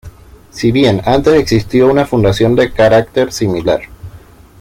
Si bien antes existió una fundación de carácter similar.